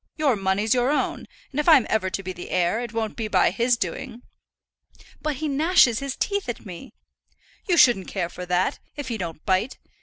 Your money's your own; and if I'm ever to be the heir, it won't be by his doing." "But he gnashes his teeth at me." "You shouldn't care for that, if he don't bite.